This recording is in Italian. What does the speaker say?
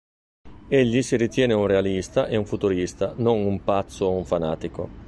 Egli si ritiene un realista e un futurista, non un pazzo o un fanatico.